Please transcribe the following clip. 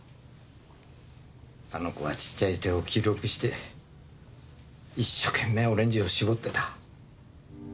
あの子はちっちゃい手を黄色くして一生懸命オレンジを搾ってた。